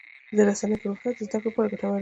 د رسنیو پرمختګ د زدهکړې لپاره ګټور دی.